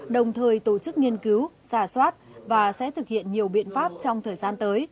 đồng thời tổ chức nghiên cứu xà xoát và sẽ thực hiện nhiều biện pháp trong thời gian tới